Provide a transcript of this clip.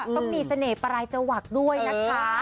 ต้องมีเสน่หรายจวักด้วยนะคะ